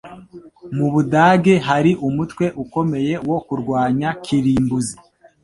Mu Budage hari umutwe ukomeye wo kurwanya kirimbuzi.